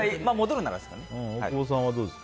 大久保さんはどうですか？